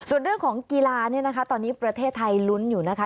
ส่วนเรื่องของกีฬาเนี่ยนะคะตอนนี้ประเทศไทยลุ้นอยู่นะคะ